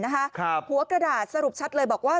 หัวกระดาษสรุปชัดเลยบอกว่า